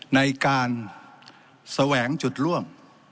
ในการแสวงจุดร่วม